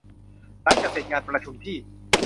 หลังจากเสร็จงานประชุมที่